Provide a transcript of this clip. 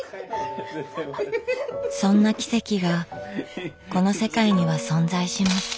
そんな奇跡がこの世界には存在します。